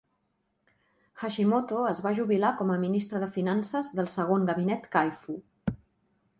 Hashimoto es va jubilar com a ministre de finances del segon gabinet Kaifu.